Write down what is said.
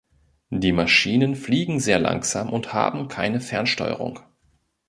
Die Maschinen fliegen sehr langsam und haben keine Fernsteuerung.